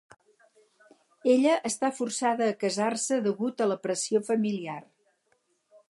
Ella està forçada a casar-se degut a la pressió familiar.